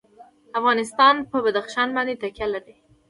افغانستان په بدخشان باندې تکیه لري.